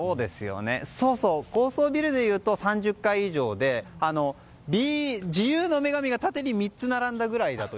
高層ビルでいうと３０階以上で自由の女神が縦に３つ分ぐらい。